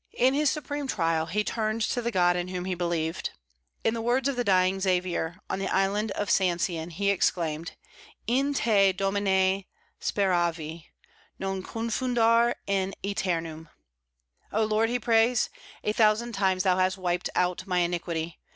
In his supreme trial he turned to the God in whom he believed. In the words of the dying Xavier, on the Island of Sancian, he exclaimed, In te domine speravi, non confundar in eternum. "O Lord," he prays, "a thousand times hast thou wiped out my iniquity.